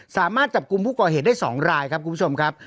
สามารถจับกลุ่มผู้ก่อเหตุได้๒รายครับคุณผู้ชมครับ